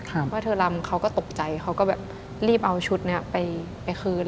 เพราะเธอรำเขาก็ตกใจเขาก็แบบรีบเอาชุดนี้ไปคืน